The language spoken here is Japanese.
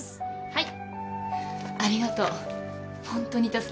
はい。